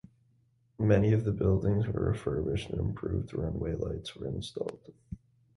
Many of the buildings were refurbished and improved runway lights were installed.